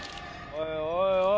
おいおい